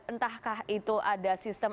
entahkah itu ada sistem